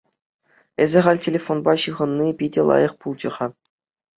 Эсӗ халь телефонпа ҫыхӑнни питӗ лайӑх пулчӗ-ха.